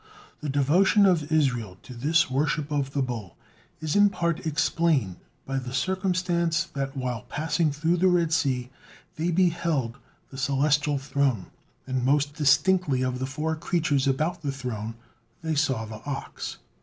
The devotion of Israel to this worship of the bull is in part explained by the circumstance that while passing through the Red Sea, they beheld the Celestial Throne, and most distinctly of the four creatures about the Throne, they saw the ox.